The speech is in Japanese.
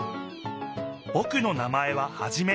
ぼくの名前はハジメ。